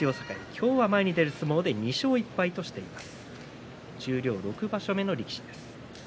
今日は前に出る相撲で２勝１敗としています。